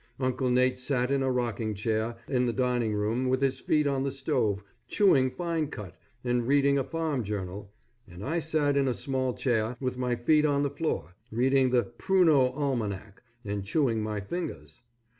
Uncle Nate sat in a rocking chair in the dining room with his feet on the stove, chewing fine cut and reading a farm journal, and I sat in a small chair with my feet on the floor, reading the "Pruno Almanac" and chewing my fingers.